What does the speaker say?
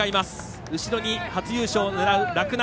後ろに初優勝を狙う洛南。